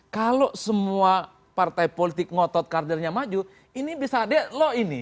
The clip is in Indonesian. kalau semua partai politik ngotot karternya maju ini bisa ada law ini